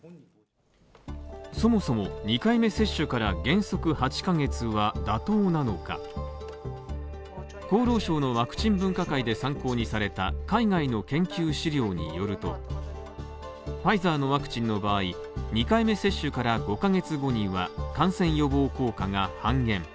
そもそも、２回目接種から原則８ヶ月は妥当なのか、厚労省のワクチン分科会で参考にされた海外の研究資料によるとファイザーのワクチンの場合、２回目接種から５ヶ月後には感染予防効果が半減。